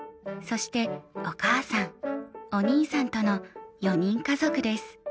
そしてお母さんお兄さんとの４人家族です。